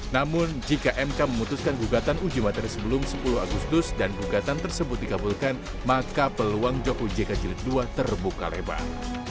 namun jika mk memutuskan gugatan uji materi sebelum sepuluh agustus dan gugatan tersebut dikabulkan maka peluang jokowi jk jilid ii terbuka lebar